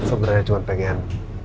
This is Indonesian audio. aku bener bener cuma pengen